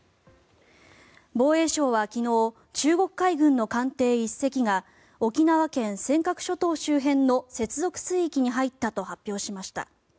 防衛省は昨日中国海軍の艦艇１隻が沖縄県・尖閣諸島周辺の接続水域に入ったと発表しました。